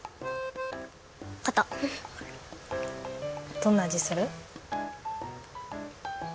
どんなあじする？